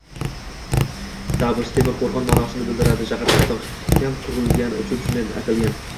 Dabus –temir qo‘rg‘on ma’nosini bildiradi. Shahar mustahkam qurilgani uchun shunday atalgan.